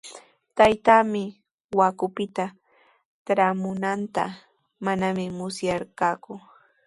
Taytaami Huacupita traamunanta manami musyarqaaku.